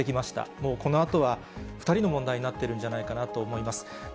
もうこのあとは、２人の問題になってるんじゃないかなと思います。